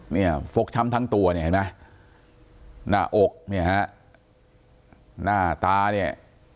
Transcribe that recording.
ฟกช้ำทั้งตัวเนี่ยเห็นไหมหน้าอกเนี่ยฮะหน้าตาเนี่ย